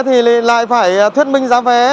thì lại phải thuyết minh giá vé